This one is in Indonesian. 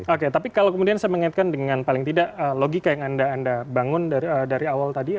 oke tapi kalau kemudian saya mengingatkan dengan paling tidak logika yang anda bangun dari awal tadi